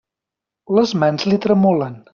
Les mans li tremolen.